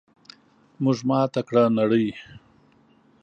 موږ ماته کړه نړۍ!